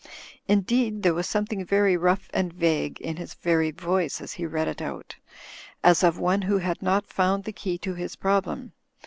Indeed there was something very rough and vague in his very voice as he read it out; as of one who had not f otmd the key to his problem.